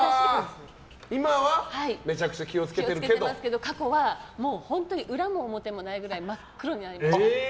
今はめちゃくちゃ過去は裏も表もないぐらい真っ黒になりました。